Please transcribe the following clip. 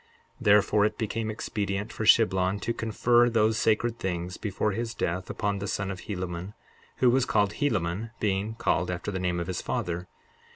63:11 Therefore it became expedient for Shiblon to confer those sacred things, before his death, upon the son of Helaman, who was called Helaman, being called after the name of his father.